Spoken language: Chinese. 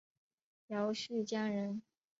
姚绪羌人。